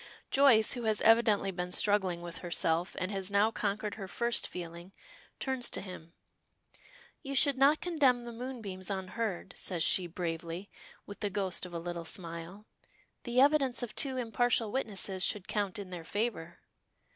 Joyce, who has evidently been struggling with herself, and has now conquered her first feeling, turns to him. "You should not condemn the moonbeams unheard," says she, bravely, with the ghost of a little smile. "The evidence of two impartial witnesses should count in their favor."